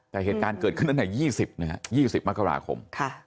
แต่เหตุการณ์เกิดขึ้นตั้งแต่๒๐มากราคม